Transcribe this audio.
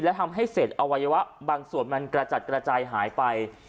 และทำให้เสร็จอวัยวะบางส่วนมันกระจัดกระจายหายไป